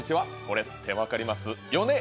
これって分かりますよね？